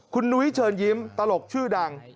คุณนุ้ยเชิญยิ้มตลกชื่อดัง